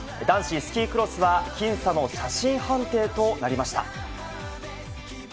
男子スキークロスは、僅差の写真判定となりました。